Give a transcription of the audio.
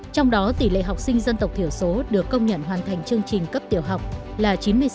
trong đó tỷ lệ học sinh dân tộc thiểu số được công nhận hoàn thành chương trình cấp tiểu học là chín mươi sáu sáu mươi sáu